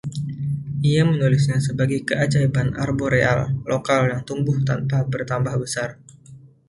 Ia menulisnya sebagai 'keajaiban arboreal' lokal yang 'tumbuh tanpa bertambah besar'.